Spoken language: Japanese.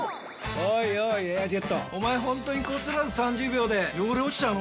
おいおい「エアジェット」おまえホントにこすらず３０秒で汚れ落ちちゃうの？